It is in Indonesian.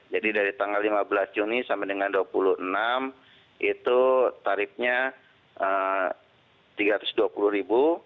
jadi dari tanggal lima belas juni sampai dengan dua puluh enam itu tarifnya rp tiga ratus dua puluh